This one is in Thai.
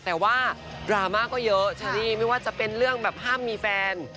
แต่ว่าดราม่าก็เยอะเชอรี่ไม่ว่าจะเป็นเรื่องแบบห้ามมีแฟน